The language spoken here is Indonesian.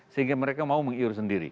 sehingga mereka mau mengirim sendiri